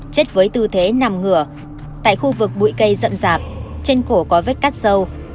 chết với tư thế nằm ngửa tại khu vực bụi cây rậm rạp trên cổ có vết cắt sâu